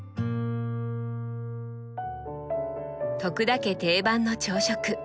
田家定番の朝食。